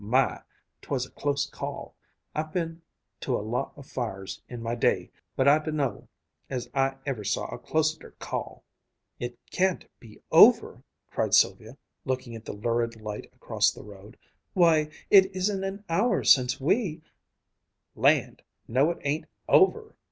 My! 'Twas a close call. I've been to a lot of fires in my day, but I d'know as I ever see a closeter call!" "It can't be over!" cried Sylvia, looking at the lurid light across the road. "Why, it isn't an hour since we " "Land! No, it ain't _over!